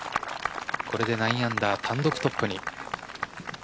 これで９アンダー単独トップに。